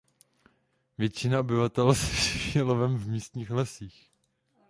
Většina obyvatel se živí lovem v místních lesích.